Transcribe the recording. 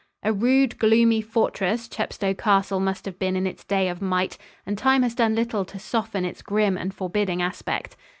A rude, gloomy fortress Chepstow Castle must have been in its day of might, and time has done little to soften its grim and forbidding aspect.